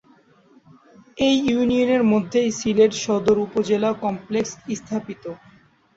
এই ইউনিয়নের মধ্যেই সিলেট সদর উপজেলা কমপ্লেক্স স্থাপিত।